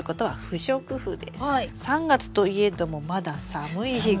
３月といえどもまだ寒い日が。